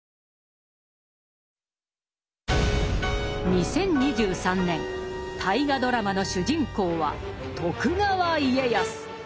２０２３年大河ドラマの主人公は徳川家康！